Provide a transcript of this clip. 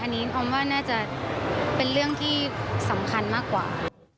อันนี้ออมว่าน่าจะเป็นเรื่องที่สำคัญมากกว่า